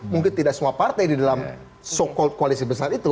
mungkin tidak semua partai di dalam so call koalisi besar itu